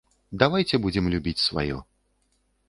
Давайце будзем любіць сваё.